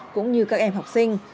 cũng như các em học sinh